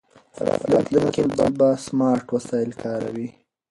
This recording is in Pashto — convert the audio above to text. راتلونکی نسل به سمارټ وسایل کاروي.